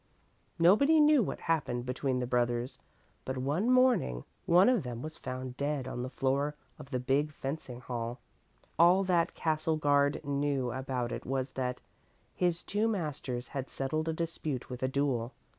Nobody knew what happened between the brothers, but one morning one of them was found dead on the floor of the big fencing hall. All that the castle guard knew about it was that his two masters had settled a dispute with a duel.